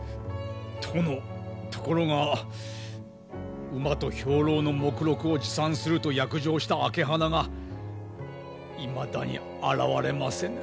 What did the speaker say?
殿ところが馬と兵糧の目録を持参すると約定した朱鼻がいまだに現れませぬ。